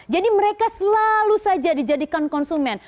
jadi mereka selalu saja dijadikan konsumen